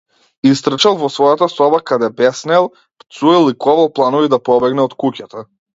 Истрчал во својата соба каде беснеел, пцуел и ковал планови да побегне од куќата.